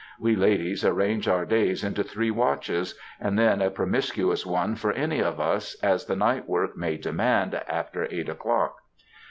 We ladies arrange our days into three watches, and then a promiscuous one for any of us, as the night work may demand, after eight o'clock.